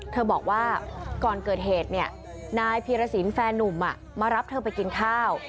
บอกว่าก่อนเกิดเหตุนายพีรสินแฟนนุ่มมารับเธอไปกินข้าว